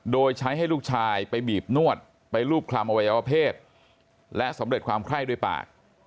โดยใช้ให้ลูกชายไปบีบนวดไปรูปคลำอวัยวเพศและสำเร็จความไข้ด้วยปาก